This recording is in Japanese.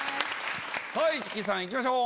市來さん行きましょう。